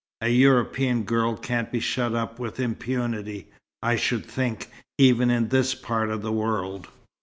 A European girl can't be shut up with impunity, I should think, even in this part of the world.